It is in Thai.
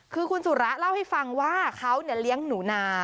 คือคุณสุระเล่าให้ฟังว่าเขาเลี้ยงหนูนา